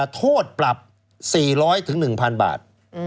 โทษปรับ๔๐๐๑๐๐๐บาท